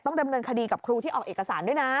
ดำเนินคดีกับครูที่ออกเอกสารด้วยนะ